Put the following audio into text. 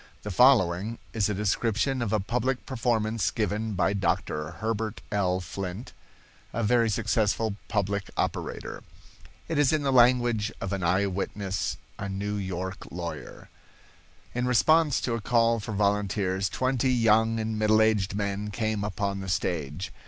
The following is a description of a public performance given by Dr. Herbert L. Flint, a very successful public operator. It is in the language of an eye witness—a New York lawyer. In response to a call for volunteers, twenty young and middle aged men came upon the stage.